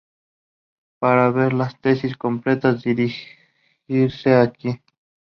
Para ver las tesis completas dirigirse aquí.